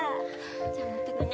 じゃあ持っていくね。